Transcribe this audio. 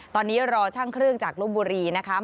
ตอนนี้รอช่างเครื่องจากลบบุรีนะคะ